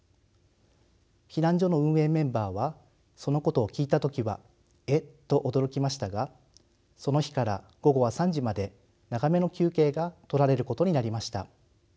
避難所の運営メンバーはそのことを聞いた時はえっ？と驚きましたがその日から午後は３時まで長めの休憩がとられることになりました。